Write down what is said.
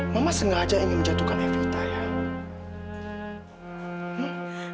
mama sengaja ingin menjatuhkan evita ya